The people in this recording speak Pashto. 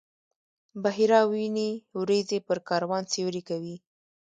بحیرا ویني وریځې پر کاروان سیوری کوي.